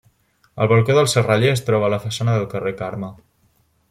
El balcó del serraller es troba a la façana del carrer Carme.